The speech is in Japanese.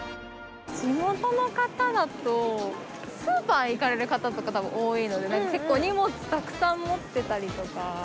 地元の方だとスーパー行かれる方とかたぶん多いので結構荷物たくさん持ってたりとか。